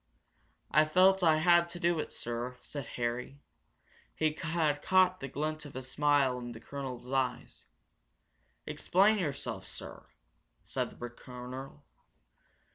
"I felt I had to do it, sir," said Harry. He had caught the glint of a smile in the colonel's eyes. "Explain yourself, sir," said the colonel.